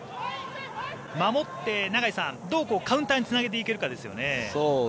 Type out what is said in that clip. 守って、永井さんどうカウンターにつなげていけるかですよね。